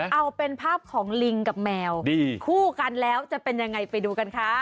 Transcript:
เอาเป็นภาพของลิงกับแมวคู่กันแล้วจะเป็นยังไงไปดูกันค่ะ